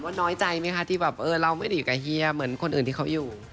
น้อยใจไหมคะที่แบบเออเราไม่ได้อยู่กับเฮียเหมือนคนอื่นที่เขาอยู่